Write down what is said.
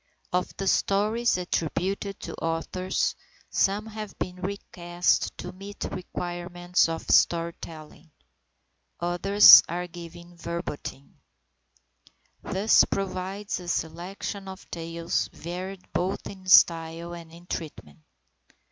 Of the stories attributed to authors, some have been recast to meet the requirements of storytelling; others are given verbatim. This provides a selection of tales varied both in style and in treatment.